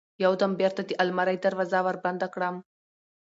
يو دم بېرته د المارى دروازه وربنده کړم.